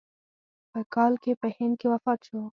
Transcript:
په کال کې په هند کې وفات شو.